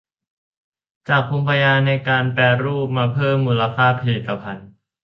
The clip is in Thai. จากภูมิปัญญาในการแปรรูปมาเพิ่มมูลค่าผลิตภัณฑ์